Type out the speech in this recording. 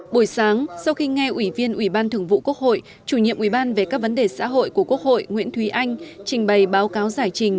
buổi sáng sau khi nghe ủy viên ủy ban thường vụ quốc hội chủ nhiệm ủy ban về các vấn đề xã hội của quốc hội nguyễn thúy anh trình bày báo cáo giải trình